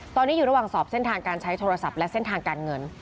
ตอนนี้อยู่ระหว่างสอบเส้นทางการใช้โทรศัพท์และเส้นทางการเงิน